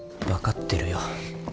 分かってるよ。